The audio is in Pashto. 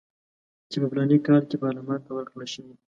چې په فلاني کال کې پارلمان ته ورکړل شوي.